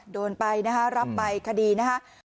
โดนไปนะคะรับไปคดีนะครับ